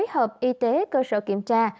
hợp y tế cơ sở kiểm tra